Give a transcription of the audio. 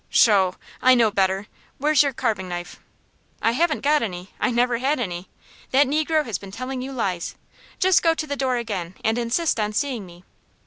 "Sho? I know better. Where's your carving knife?" "I haven't got any; I never had any. That negro has been telling you lies. Just go to the door again, and insist on seeing me."